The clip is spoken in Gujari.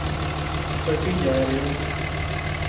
پٹی جا رہیو